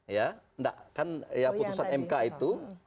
ya putusan mk itu